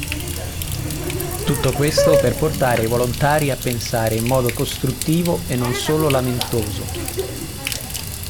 Tutto questo per portare i volontari a pensare in modo costruttivo e non solo "lamentoso".